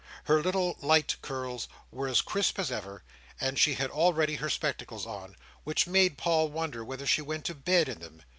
Her little light curls were as crisp as ever, and she had already her spectacles on, which made Paul wonder whether she went to bed in them.